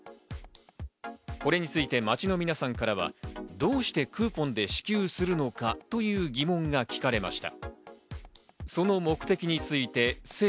これについて街の皆さんからはどうしてクーポンで支給するのかという疑問が聞かれました。